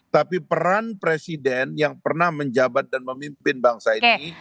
tapi peran presiden yang pernah menjabat dan memimpin bangsa ini